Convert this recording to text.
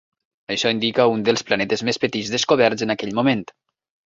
Això indica un dels planetes més petits descoberts en aquell moment.